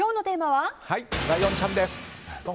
はい、ライオンちゃんです。